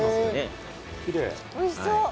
おいしそう。